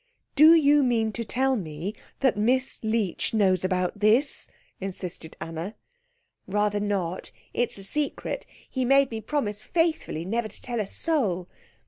"Do you mean to tell me that Miss Leech knows about this?" insisted Anna. "Rather not. It's a secret. He made me promise faithfully never to tell a soul.